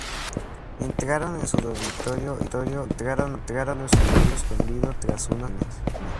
Entraron en su dormitorio, y se encontraron a Pablo escondido tras unas cortinas.